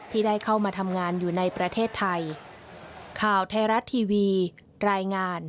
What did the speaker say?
ที่ได้เข้ามาทำงานอยู่ในประเทศไทย